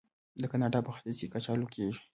د کاناډا په ختیځ کې کچالو کیږي.